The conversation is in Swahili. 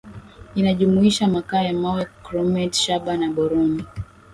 inajumuisha makaa ya mawe chromate shaba na boroni